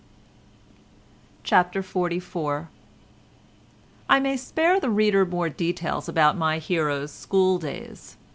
CHAPTER XLIV I may spare the reader more details about my hero's school days.